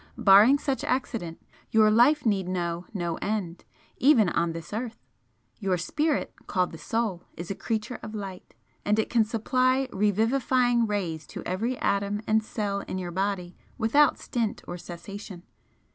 Barring such accident, your life need know no end, even on this earth. Your Spirit, called the Soul, is a Creature of Light and it can supply revivifying rays to every atom and cell in your body without stint or cessation.